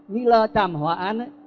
như là trảm hỏa án